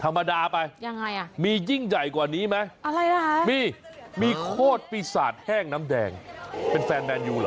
ธรรมดาไปมียิ่งใหญ่กว่านี้ไหมมีโคตรปีศาจแห้งน้ำแดงเป็นแฟนแมนยูเหรอ